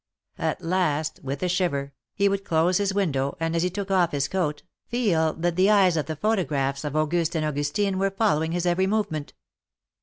At last, with a shiver, he would close his window, and as he took off his coat, feel that the eyes of the photo graphs of Auguste and Augustine were following his every movement.